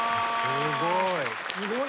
すごいな。